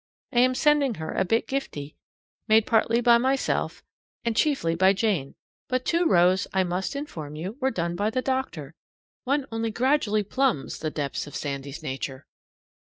I am sending her a bit giftie, made partly by myself and chiefly by Jane. But two rows, I must inform you, were done by the doctor. One only gradually plumbs the depths of Sandy's nature.